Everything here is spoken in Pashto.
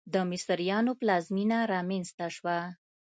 د مصریانو پلازمېنه رامنځته شوه.